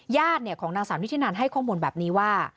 ญาติของนางสาวนิธินันให้ข้อมูลแบบนี้ว่า